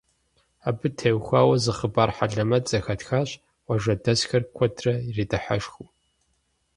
Абы теухуауэ зы хъыбар хьэлэмэт зэхэтхащ, къуажэдэсхэр куэдрэ иридыхьэшхыу.